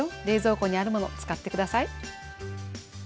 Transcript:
冷蔵庫にあるもの使って下さい。